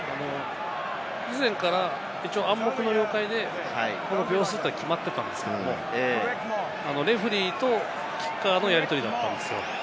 以前から暗黙の了解で秒数というのは決まっていたんですけれども、レフェリーとキッカーのやり取りだったんですよ。